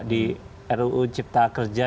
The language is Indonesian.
di ruu cipta kerja